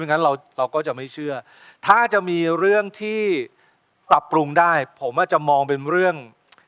งั้นเราก็จะไม่เชื่อถ้าจะมีเรื่องที่ปรับปรุงได้ผมอาจจะมองเป็นเรื่อง